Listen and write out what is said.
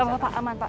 gak apa apa aman pak